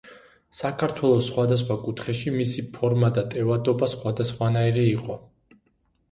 საქართველოს სხვადასხვა კუთხეში მისი ფორმა და ტევადობა სხვადასხვანაირი იყო.